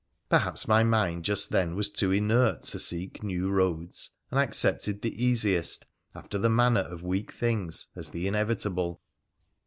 Perhaps my mind just then was too inert to seek new roads, and accepted the easiest, after the manner of weak things, as the inevitable.